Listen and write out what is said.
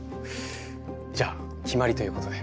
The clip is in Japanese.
じゃあ決まりということで。